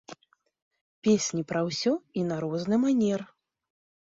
Песні пра ўсё і на розны манер.